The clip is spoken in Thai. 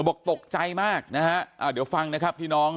บอกตกใจมากนะฮะเดี๋ยวฟังนะครับพี่น้อง